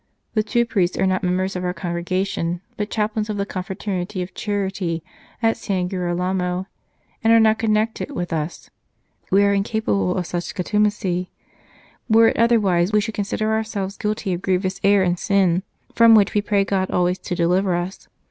The two priests are not members of our congregation, but chaplains of the Confraternity of Charity at San Girolamo, and are not connected w r ith us. ... We are incapable of such contumacy. ... Were it otherwise, we should consider ourselves guilty of grievous error and sin, from which we pray God always to deliver us.